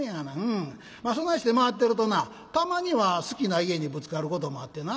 まあそないして回ってるとなたまには好きな家にぶつかることもあってな